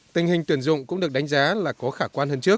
tình hình tuyển dụng cũng được đánh giá là có khả quan hơn trước